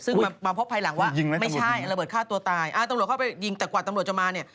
ซึ่งมาพบภายหลังว่ายิงไหมไม่ใช่ระเบิดฆ่าตัวตายอ่าตำรวจเข้าไปยิงแต่กว่าตำรวจจะมาเนี่ย